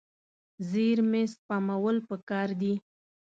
زیرمې سپمول پکار دي.